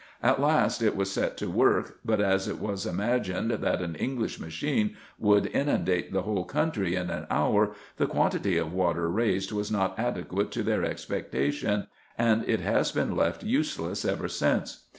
At last it was set to work ; but as it was imagined, that an English machine would inundate the whole country in an hour, the quantity of water raised was not adequate to their expectation, and it has been left useless ever since.